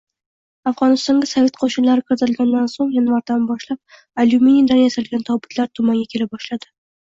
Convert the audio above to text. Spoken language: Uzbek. Afgʻonistonga sovet qoʻshinlari kiritilgandan soʻng, yanvaridan boshlab alyuminiydan yasalgan tobutlar tumanga kela boshladi.